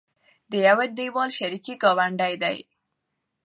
د يو دېول شریکې ګاونډۍ دي